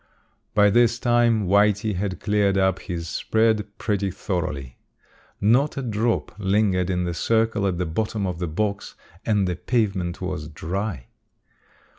By this time Whitey had cleared up his spread pretty thoroughly. Not a drop lingered in the circle at the bottom of the box and the pavement was dry.